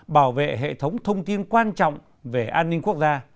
bảo vệ hệ thống thông tin quan trọng về an ninh quốc gia